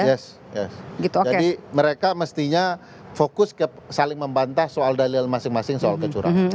yes jadi mereka mestinya fokus ke saling membantah soal dalil masing masing soal kecurangan